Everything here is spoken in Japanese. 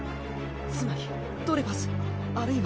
つまりドレファスあるいは。